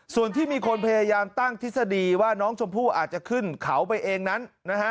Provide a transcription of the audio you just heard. ส่วนที่มีคนพยายามตั้งทฤษฎีว่าน้องชมพู่อาจจะขึ้นเขาไปเองนั้นนะฮะ